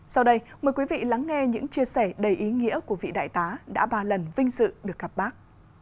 sau đây mời quý vị lắng nghe những chia sẻ đầy ý nghĩa của vị đại tá đã ba lần vinh dự được gặp bác